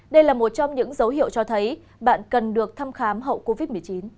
đây là một trong những dấu hiệu cho thấy bạn cần được thăm khám hậu covid một mươi chín